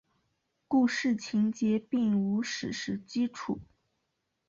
故事情节并无史实基础。